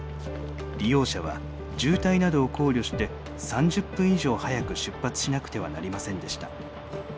利用者は渋滞などを考慮して３０分以上早く出発しなくてはなりませんでした。